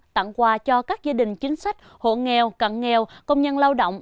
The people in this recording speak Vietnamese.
tặng quà cho các gia đình chính sách hộ nghèo cận nghèo công nhân lao động